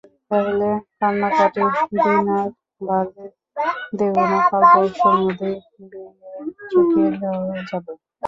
তাহলে কান্নাকাটির দিন আর বাড়তে দেব না– কাল-পরশুর মধ্যেই বিয়ে চুকিয়ে দেওয়া যাবে।